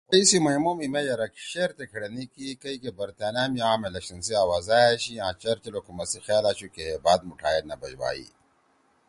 خو تی جولائی سی مَئیمو می مے یرَک شیرتے کھیڑینی کی کئی کے برطانیہ می عام الیکشن سی آوازا أشی آں چرچل حکومت سی خیال آشُو کہ ہے بات مُٹھائے نہ بش بھائی